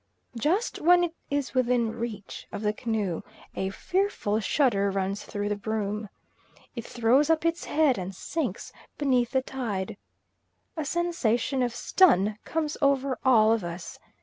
Just when it is within reach of the canoe, a fearful shudder runs through the broom. It throws up its head and sinks beneath the tide. A sensation of stun comes over all of us.